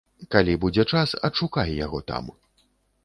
Калі будзе час, адшукай яго там.